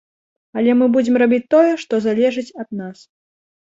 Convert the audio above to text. Але мы будзем рабіць тое, што залежыць ад нас.